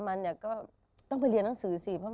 มันก็เยอะนะกับแฟน